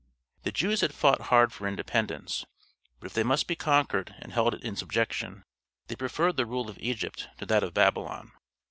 The Jews had fought hard for independence, but if they must be conquered and held in subjection, they preferred the rule of Egypt to that of Babylon.